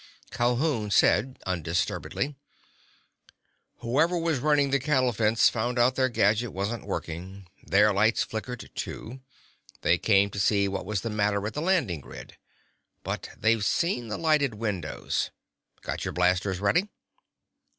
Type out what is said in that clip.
Calhoun said undisturbedly: "Whoever was running the cattle fence found out their gadget wasn't working. Their lights flickered, too. They came to see what was the matter at the landing grid. But they've seen the lighted windows. Got your blasters handy?"